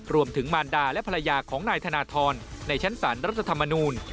รวมถึงมารดาและภรรยาของนายธนทรในชั้นศาลรัฐธรรมนูล